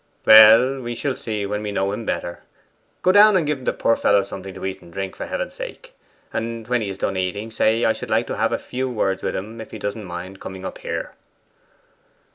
'Well, we shall see that when we know him better. Go down and give the poor fellow something to eat and drink, for Heaven's sake. And when he has done eating, say I should like to have a few words with him, if he doesn't mind coming up here.